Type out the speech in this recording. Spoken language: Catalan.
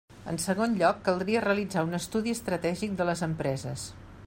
En segon lloc, caldria realitzar un estudi estratègic de les empreses.